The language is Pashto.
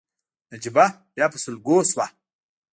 نجيبه بيا په سلګيو شوه.